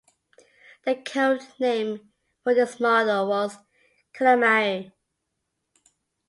The codename for this model was Calamari.